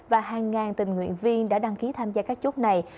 và hàng ngàn tình nguyện viên đã đăng ký tham gia các chốt này